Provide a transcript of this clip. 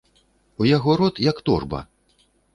У яго рот, як торба!